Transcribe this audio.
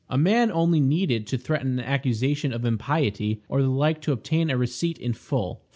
A man only needed to threaten an accusation of impiety or the like to obtain a receipt in full.